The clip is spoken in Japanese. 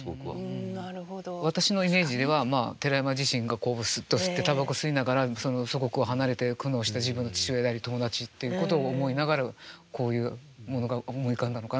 私のイメージでは寺山自身がこう擦ってたばこ吸いながら祖国を離れて苦悩した自分の父親であり友達っていうことを思いながらこういうものが思い浮かんだのかなっていう気もしますね。